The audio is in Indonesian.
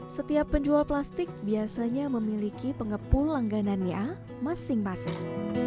setiap penjual plastik biasanya memiliki pengepul langganannya masing masing